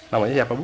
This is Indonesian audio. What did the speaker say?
namanya siapa bu